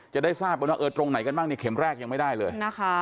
จะได้ทราบกันว่าเออตรงไหนกันบ้างนี่เข็มแรกยังไม่ได้เลยนะคะ